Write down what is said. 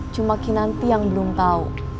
cuma kinanti yang belum tahu